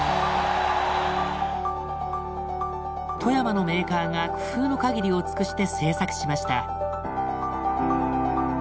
富山のメーカーが工夫の限りを尽くして制作しました。